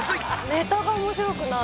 「ネタが面白くない」。